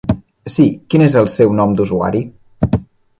Sí, quin és el seu nom d'usuari?